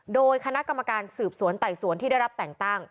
โดยคณะกรรมการสืบสวนไต่สวนที่ได้รับแต่งตั้ง